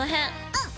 うん。